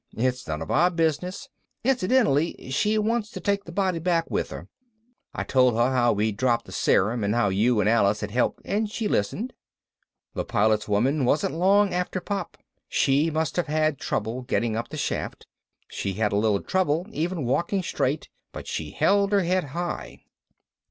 It's none of our business. Incidentally, she wants to take the body back with her. I told her how we'd dropped the serum and how you and Alice had helped and she listened." The Pilot's woman wasn't long after Pop. She must have had trouble getting up the shaft, she had a little trouble even walking straight, but she held her head high.